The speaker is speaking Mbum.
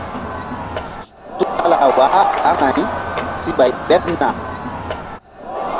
Tukala waah aŋay si ɓay ɓeɓ na.